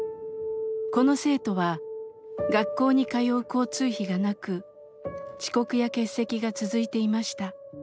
この生徒は学校に通う交通費がなく遅刻や欠席が続いていました。